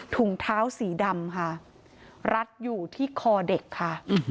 ถุงเท้าสีดำค่ะรัดอยู่ที่คอเด็กค่ะ